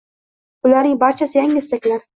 Bularning barchasi yangi istaklar.